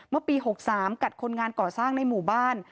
เมื่อปี๖๓กัดคนงานก่อสร้างในหมู่บ้าน